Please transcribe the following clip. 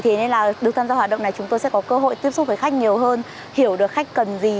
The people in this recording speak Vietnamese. thế nên là được tham gia hoạt động này chúng tôi sẽ có cơ hội tiếp xúc với khách nhiều hơn hiểu được khách cần gì